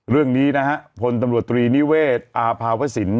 เรื่องนี้นะฮะพลตำรวจตรีนิเวศอาภาวสิน